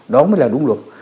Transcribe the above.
đó mới là đúng luật